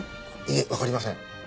いえわかりません。